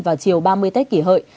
vào chiều ba mươi tết kỷ hợi